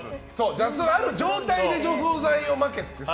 雑草ある状態で除草剤をまけって。